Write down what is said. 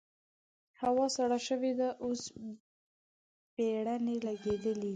هوا سړه شوې ده؛ اوس پېړنی لګېدلی دی.